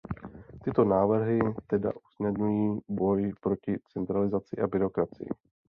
Tyto návrhy tedy usnadňují boj proti centralizaci a byrokracii.